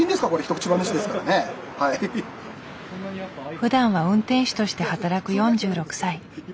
ふだんは運転手として働く４６歳。